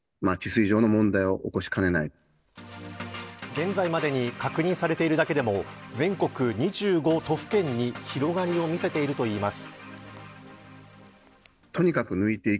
現在までに確認されているだけでも全国２５都府県に広がりを見せているといいます。